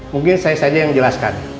mungkin saya saja yang jelaskan